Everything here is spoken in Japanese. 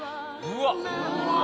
うわっ！